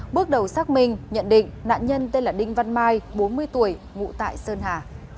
bước đầu xác minh nhận định nạn nhân tên là đinh văn mai bốn mươi tuổi ngụ tại sơn hà